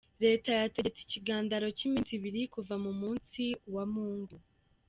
Reta yategetse ikigandaro c'iminsi ibiri kuva ku munsi wa Mungu.